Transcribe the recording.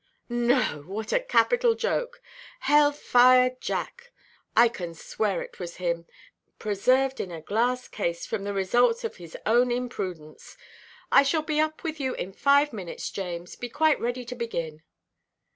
"No! What a capital joke. Hell–fire–Jack (I can swear it was him), preserved in a glass case, from the results of his own imprudence! I shall be up with you in five minutes, James. Be quite ready to begin."